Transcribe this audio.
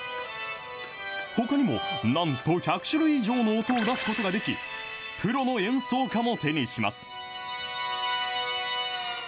ほかにも、なんと１００種類以上の音を出すことができ、プロの演奏家も手にします。